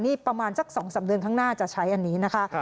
นี่ประมาณสัก๒๓เดือนข้างหน้าจะใช้อันนี้นะคะ